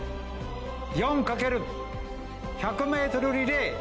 ４×１００ｍリレー